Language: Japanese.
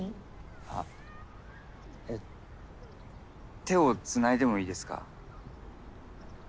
あっえっ手をつないでもいいですか？